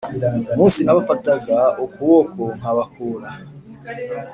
umunsi nabafataga ukuboko nkabakura